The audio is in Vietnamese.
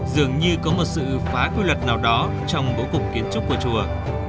dường như có một sự phá quy luật nào đó trong bố cục kiến trúc của chùa